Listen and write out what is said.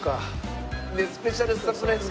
でスペシャルサプライズ